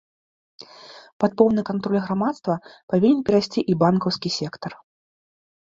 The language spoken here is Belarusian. Пад поўны кантроль грамадства павінен перайсці і банкаўскі сектар.